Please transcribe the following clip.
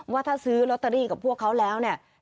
ว่าถ้าซื้อลอตเตอรี่กับพวกเขาแล้วเนี่ย